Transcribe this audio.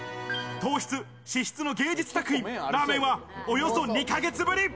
糖質、脂質の芸術作品、ラーメンはおよそ２ヶ月ぶり。